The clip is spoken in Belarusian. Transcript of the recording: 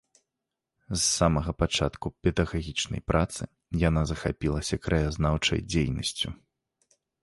З самага пачатку педагагічнай працы яна захапілася краязнаўчай дзейнасцю.